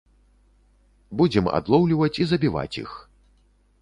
Будзем адлоўліваць і забіваць іх.